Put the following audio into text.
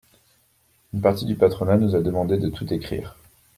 Une partie du patronat nous a demandé de tout écrire.